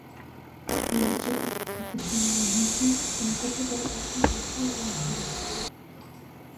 Վերլուծական դատողությունների հիմքում ընկած է տրամաբանության նույնության օրենքը։